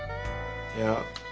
いや。